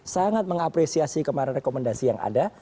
sangat mengapresiasi kemarin rekomendasi yang ada